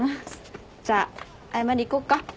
じゃあ謝りに行こっか。